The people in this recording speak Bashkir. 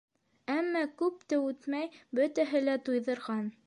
Әммә, күп тә үтмәй, бөтәһе лә туйҙырған.